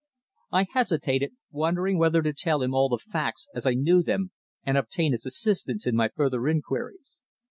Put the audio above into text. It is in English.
I hesitated, wondering whether to tell him all the facts as I knew them and obtain his assistance in my further inquiries.